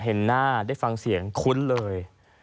เห็นหน้าได้ฟังเสียงคุ้นเลย